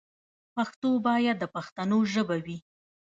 پښتو باید د پښتنو ژبه وي.